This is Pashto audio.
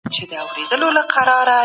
په سوسیالیزم کي د انسان هڅي له منځه ځي.